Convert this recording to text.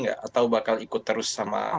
atau bakal ikut terus sama